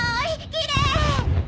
きれい！